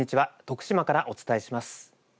徳島からお伝えします。